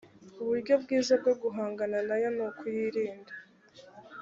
uburyo bwiza bwo guhangana nayo nukuyirinda